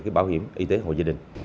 cái bảo hiểm y tế hội gia đình